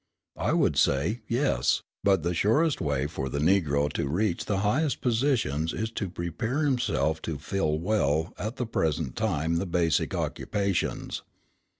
I would say, Yes; but the surest way for the Negro to reach the highest positions is to prepare himself to fill well at the present time the basic occupations.